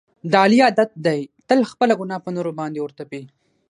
د علي عادت دی تل خپله ګناه په نورو باندې ور تپي.